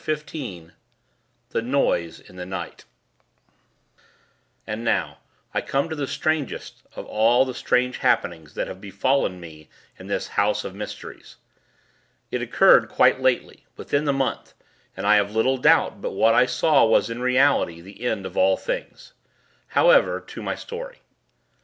XV THE NOISE IN THE NIGHT And now, I come to the strangest of all the strange happenings that have befallen me in this house of mysteries. It occurred quite lately within the month; and I have little doubt but that what I saw was in reality the end of all things. However, to my story.